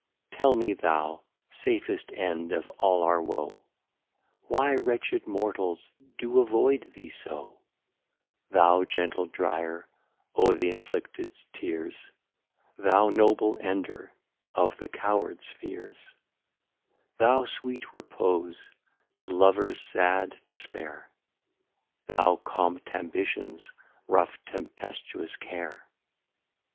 Tell me thou safest End of all our Woe, Why wreched Mortals do avoid thee so: Thou gentle drier o'th' afflicteds Tears, Thou noble ender of the Cowards Fears; Thou sweet Repose to Lovers sad dispaire, Thou Calm t'Ambitions rough Tempestuous Care.